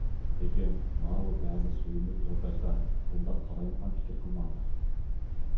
لېكىن ماۋۇ بەزى سۆيۈملۈك تورداشلار ئۇنداق قالايمىقان پىكىر قىلماڭلار.